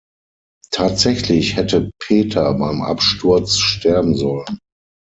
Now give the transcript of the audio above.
Tatsächlich hätte Peter beim Absturz sterben sollen.